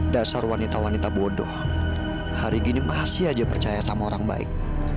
dasar wanita wanita bodoh hari gini masih aja percaya sama orang baik